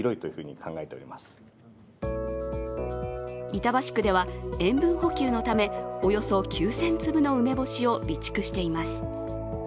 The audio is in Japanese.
板橋区では塩分補給のためおよそ９０００粒の梅干しを備蓄しています。